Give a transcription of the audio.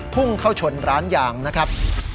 พุ่งเข้าชนร้านยางนะครับ